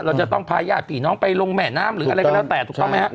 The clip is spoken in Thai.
เราจะต้องพาญาติพี่น้องไปลงแม่น้ำหรืออะไรก็แล้วแต่ถูกต้องไหมฮะ